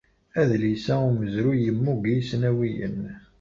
Adlis-a umezruy yemmug i isnawiyen.